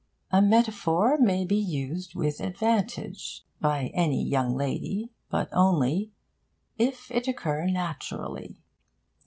'A metaphor may be used with advantage' by any young lady, but only 'if it occur naturally.'